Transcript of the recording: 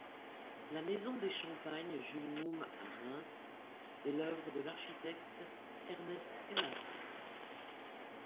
La Maison des Champagnes Jules Mumm à Reims est l'œuvre de l'architecte Ernest Kalas.